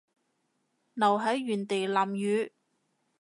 留喺原地淋雨